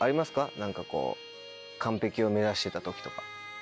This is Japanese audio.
何かこう完璧を目指してた時とか。